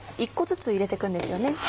１個ずつ入れて行くんですよね？